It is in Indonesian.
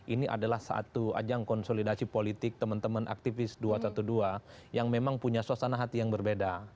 ini adalah satu ajang konsolidasi politik teman teman aktivis dua ratus dua belas yang memang punya suasana hati yang berbeda